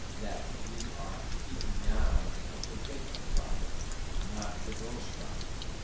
that we are speaking now of the rate of profit, not the gross profit.